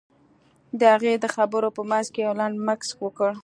هغې د خبرو په منځ کې يو لنډ مکث وکړ.